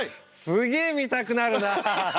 すげえ見たくなるな。